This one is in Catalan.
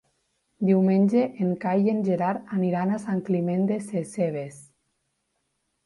Diumenge en Cai i en Gerard aniran a Sant Climent Sescebes.